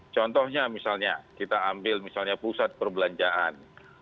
contohnya misalnya kita ambil misalnya pusat perbelanjaan